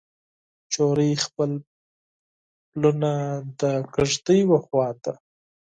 نجلۍ خپل پلونه د کیږدۍ وخواته